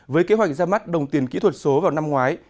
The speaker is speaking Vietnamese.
với kế hoạch ra mắt đồng tiền kỹ thuật số vào năm ngoái